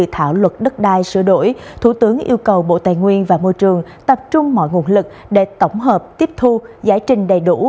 thủ tướng yêu cầu bộ tài nguyên và môi trường tập trung mọi nguồn lực để tổng hợp tiếp thu giải trình đầy đủ